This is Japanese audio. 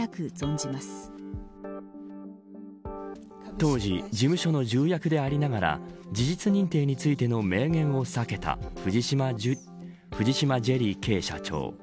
当時事務所の重役でありながら事実認定についての明言を避けた藤島ジュリーＫ．社長。